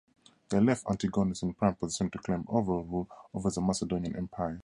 This left Antigonus in prime position to claim overall rule over the Macedonian empire.